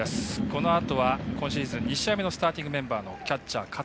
このあとは今シーズン２試合目のスターティングメンバーのキャッチャー、桂。